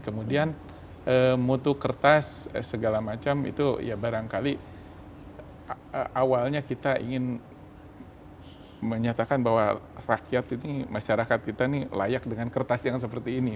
kemudian mutu kertas segala macam itu ya barangkali awalnya kita ingin menyatakan bahwa rakyat ini masyarakat kita ini layak dengan kertas yang seperti ini